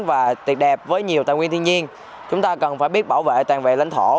và tuyệt đẹp với nhiều tài nguyên thiên nhiên chúng ta cần phải biết bảo vệ toàn vẹn lãnh thổ